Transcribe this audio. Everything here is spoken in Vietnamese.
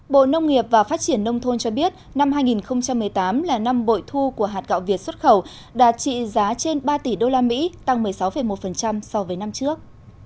bộ nông nghiệp và phát triển nông thôn cho biết năm hai nghìn một mươi tám là năm bội thu của hạt gạo việt xuất khẩu đạt trị giá trên ba tỷ usd tăng một mươi sáu một so với năm trước